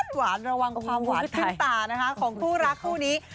หวานระวังความหวานขึ้นตาของคู่รักหรือนี้